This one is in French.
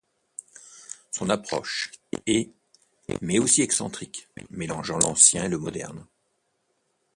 Son approche est mais aussi excentrique, mélangeant l'ancien et le moderne.